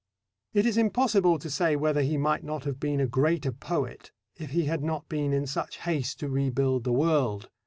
It is impossible to say whether he might not have been a greater poet if he had not been in such haste to rebuild the world.